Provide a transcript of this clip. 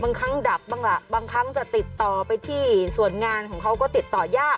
บางครั้งดับบ้างล่ะบางครั้งจะติดต่อไปที่ส่วนงานของเขาก็ติดต่อยาก